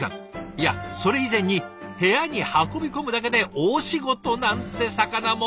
いやそれ以前に部屋に運び込むだけで大仕事なんて魚も。